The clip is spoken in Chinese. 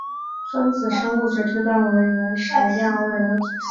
分子生物学推断为原始亚欧人的祖先。